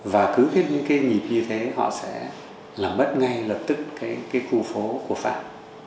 và cứ những cái nhịp như thế họ sẽ làm bất ngay lập tức cái khu phố của phạm